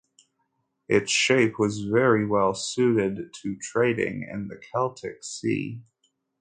Its shape was very well suited to trading in the Celtic Sea.